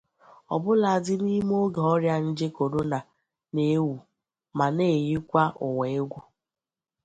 ọbụladị n'ime oge ọrịa nje korona na-ewù ma na-eyikwa ụwà egwù